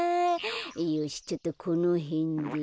よしちょっとこのへんで。